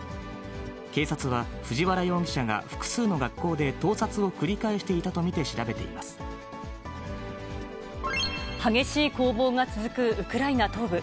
警察は、藤原容疑者が複数の学校で盗撮を繰り返していたと見て調べていま激しい攻防が続くウクライナ東部。